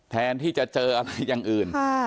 แทนที่จะเจออะไรอย่างอื่น